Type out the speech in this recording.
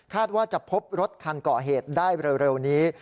ว่าจะพบรถคันก่อเหตุได้เร็วนี้